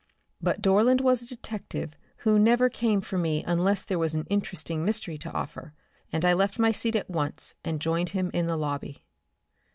But Dorland was a detective who never came for me unless there was an interesting mystery to offer and I left my seat at once and joined him in the lobby.